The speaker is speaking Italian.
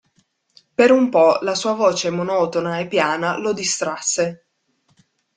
Per un po' la sua voce monotona e piana lo distrasse.